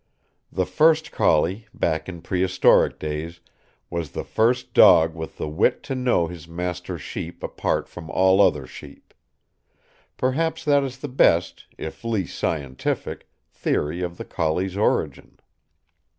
The first collie, back in prehistoric days, was the first dog with the wit to know his master's sheep apart from all other sheep. Perhaps that is the best, if least scientific, theory of the collie's origin.